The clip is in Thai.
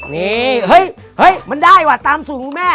นี่เฮ้ยมันได้ว่ะตามสูตรคุณแม่